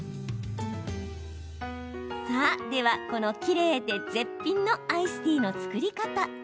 さあ、ではこのきれいで絶品のアイスティーの作り方。